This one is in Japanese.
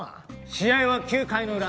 試合は９回のウラ。